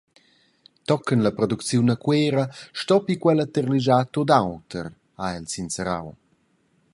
Tochen la producziun a Cuera stoppi quella tarlischar tut auter, ha el sincerau.